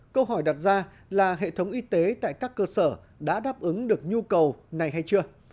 câu hỏi đặt ra là hệ thống y tế tại các cơ sở đã đáp ứng được nhu cầu này hay chưa